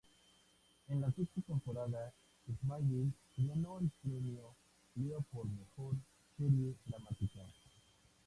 En la sexta temporada Smallville ganó el Premio Leo por Mejor Serie Dramática.